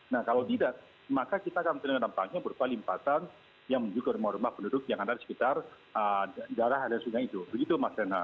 nah kalau tidak maka kita akan mendapatkan beberapa limpatan yang menunjukkan rumah rumah penduduk yang ada di sekitar daerah dan sungai itu begitu mas renan